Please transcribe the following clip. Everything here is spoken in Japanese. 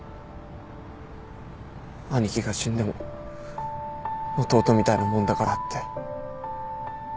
兄貴が死んでも弟みたいなもんだからって。